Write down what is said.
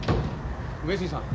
上杉さん